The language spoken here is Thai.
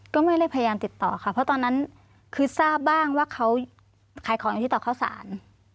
ก็ไม่ได้พยายามติดต่อค่ะเพราะตอนนั้นคือทราบบ้างว่าเขาขายของอยู่ที่ต่อเข้าสาร